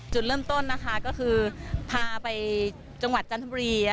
จุดเริ่มต้นนะคะก็คือพาไปจังหวัดจันทบุรี